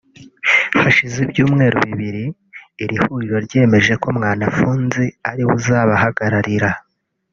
Hashize ibyumweru bibiri iri huriro ryemeje ko Mwanafunzi ariwe uzabahagarari